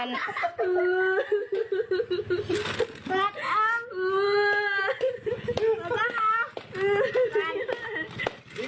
ขึ้นใกล้ว่าไปไหนอ่ะพ่อ